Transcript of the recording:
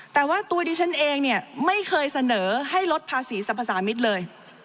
แต่ว่าตัวดิฉันเองเนี่ยไม่เคยเสนอให้ลดภาษีสรรพสามิตรเลย